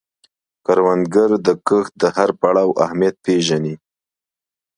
کروندګر د کښت د هر پړاو اهمیت پېژني